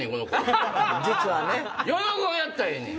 実はね。